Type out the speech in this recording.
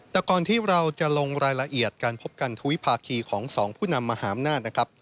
แต่ก่อนที่เราจะลงรายละเอียดการพบกันทวิภาคีของสองผู้นำมหาอำนาจนะครับ